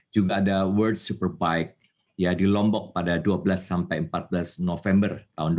juga ada world superbike di lombok pada dua belas sampai empat belas november dua ribu dua puluh